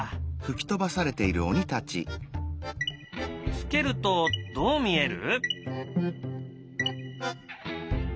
付けるとどう見える？